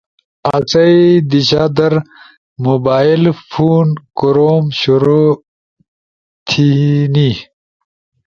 آسئی دیشا در موبائل فون کوروم شروع تھئی۔